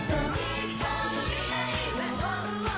「日本の未来は」